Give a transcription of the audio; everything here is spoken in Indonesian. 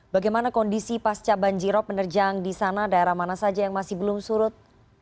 bagaimana kondisi pasca banjirop menerjang di sana daerah mana saja yang masih belum surut